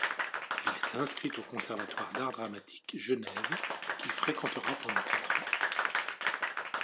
Il s'inscrit au Conservatoire d'Art Dramatique Genève qu’il fréquentera pendant quatre ans.